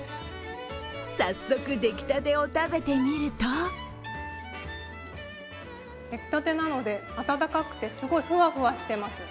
早速、出来たてを食べてみると出来たてなので温かくてすごいふわふわしてます。